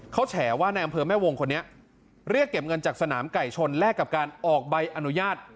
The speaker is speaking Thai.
เขาแฉว่าในอำเภอแม่วงคนนี้เรียกเก็บเงินจากสนามไก่ชนแลกกับการออกใบอนุญาต